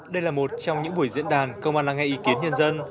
đây là một trong những buổi diễn đàn công an lắng nghe ý kiến nhân dân